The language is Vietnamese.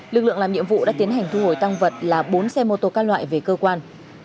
lực lượng làm nhiệm vụ đã tiến hành thu hồi tăng vật là bốn xe mô tô các loại về cơ quan